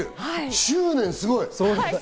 執念すごい！